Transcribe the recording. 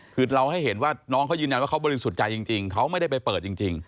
คือเราให้เห็นว่าน้องเขายืนยันว่าเขาบริสุทธิ์ใจจริงเขาไม่ได้ไปเปิดจริง